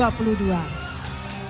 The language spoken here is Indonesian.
akan menjadi wakil satu